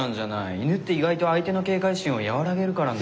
犬って意外と相手の警戒心を和らげるからね。